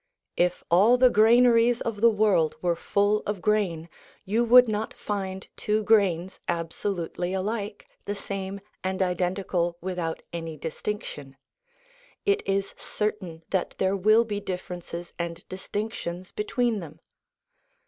If all the granaries of the world were full of grain, you would not find two grains absolutely alike, the same and identical without any distinction. It is certain that there will be differences and distinctions between them.